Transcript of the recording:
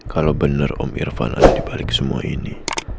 kalau bener om irfan ada dibalik semua ini